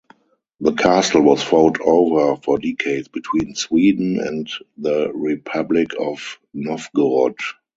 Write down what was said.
The castle was fought over for decades between Sweden and the Republic of Novgorod.